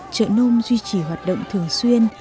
chợ nôm duy trì hoạt động thường xuyên